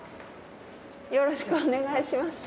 よろしくお願いします。